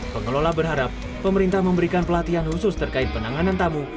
pengelola berharap pemerintah memberikan pelatihan khusus terkait penanganan tamu